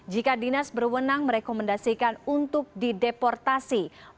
jika dinas berwenang merekomendasikan untuk dideportasi